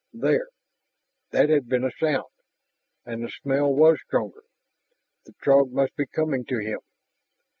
There! That had been a sound, and the smell was stronger. The Throg must be coming to him.